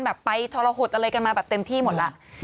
แบบไปทรหดอะไรกันมาแบบเต็มที่หมดแล้ว